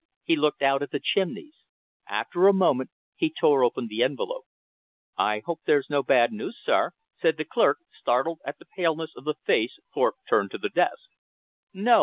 He looked out at the chimneys. After a moment he tore open the envelope. "I hope there's no bad news, sir?" said the clerk, startled at the paleness of the face Thorpe turned to the desk.